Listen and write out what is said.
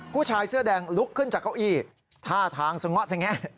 ผู้ชายเสื้อแดงลุกขึ้นจากเก้าอี้ท่าทางสง้อสงแงะ